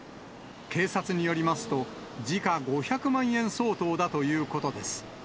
警察によりますと、時価５００万円相当だということです。